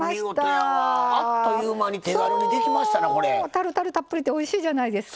タルタルたっぷりっておいしいじゃないですか。